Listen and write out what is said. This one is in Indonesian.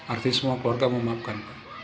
arti semua keluarga memaafkan